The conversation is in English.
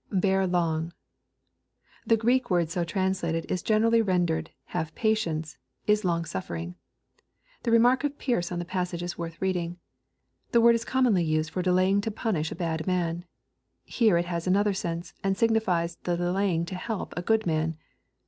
[Bear long.] The Greek word so translated is generally ren dered " have patience," " is long suffering." The remark of Pearce on the passage is worth reading. " The word is commonly used for delaying to punish a bad man. Here it fias~another sense, and signifies the delaying to help_a good man.